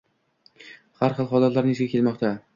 Har xil holatlari yuzaga kelmoqda.